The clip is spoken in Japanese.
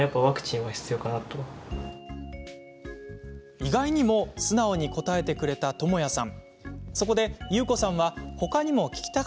意外にも素直に答えてくれた、ともやさん。